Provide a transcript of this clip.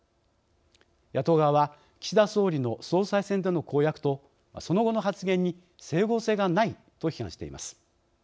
野党側は、岸田総理の総裁選での公約とその後の発言に整合性がないと批判しています。